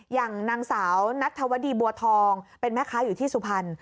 อย่างนางสาวนัทธวดีบัวทองเป็นแม่ค้าอยู่ที่สุพรรณ